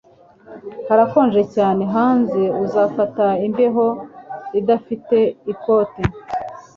Harakonje cyane hanze Uzafata imbeho idafite ikote